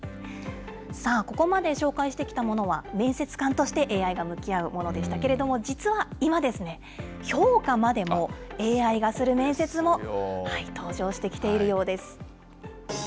さあ、ここまで紹介してきたものは、面接官としてＡＩが向き合うものでしたけれども、実は今ですね、評価までもＡＩがする面接も登場してきているようです。